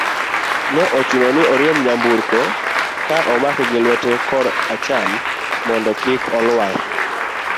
ne ochuno ni oriemb nyamburko ka omake gi lwete kor acham mondo kik olwar